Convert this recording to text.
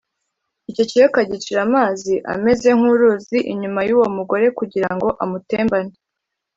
Icyo kiyoka gicira amazi ameze nk’uruzi inyuma y’uwo mugore kugira ngo amutembane.